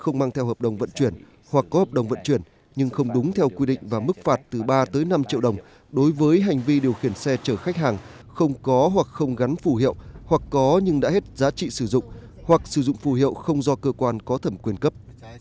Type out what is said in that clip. hoặc có hợp đồng vận chuyển nhưng không đúng theo quy định và mức phạt từ ba tới năm triệu đồng đối với hành vi điều khiển xe chở khách hàng không có hoặc không gắn phù hiệu hoặc có nhưng đã hết giá trị sử dụng hoặc sử dụng phù hiệu không do cơ quan có thẩm quyền cấp